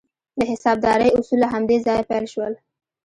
د حسابدارۍ اصول له همدې ځایه پیل شول.